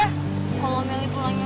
eh kalau meli pulangnya